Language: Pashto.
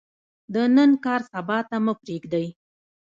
د نن کار سبا ته مه پریږدئ